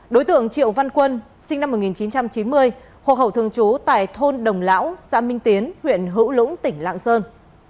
đối tượng triệu văn quân sinh năm một nghìn chín trăm chín mươi hộ khẩu thương chú tại thôn đồng lão xã minh tiến huyện hữu lũng tỉnh lạng sơn